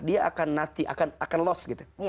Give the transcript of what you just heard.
dia akan lost gitu